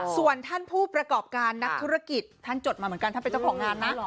ส่วนท่านผู้ประกอบการนักธุรกิจท่านจดมาเหมือนกันท่านเป็นเจ้าของงานนะ